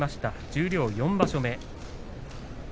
十両４場所目です。